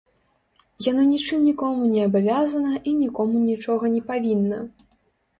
Яно нічым нікому не абавязана і нікому нічога не павінна.